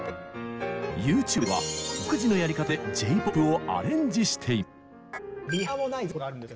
ＹｏｕＴｕｂｅでは独自のやり方でＪ−ＰＯＰをアレンジしています。